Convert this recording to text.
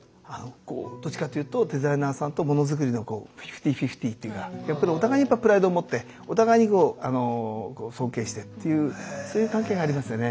どっちかっていうとデザイナーさんとものづくりのフィフティーフィフティーというかやっぱりお互いにプライドを持ってお互いに尊敬してっていうそういう関係がありますよね。